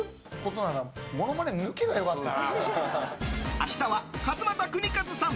明日は、勝俣州和さん